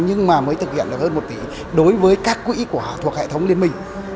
nhưng mà mới thực hiện được hơn một tỷ đối với các quỹ của thuộc hệ thống liên minh